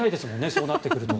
そうなってくると。